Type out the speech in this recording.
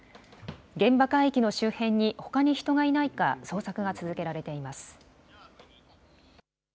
現場海域の周辺にほかに人がいないか捜索が続けられています。